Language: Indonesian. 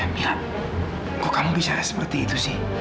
mila kok kamu bisa seperti itu sih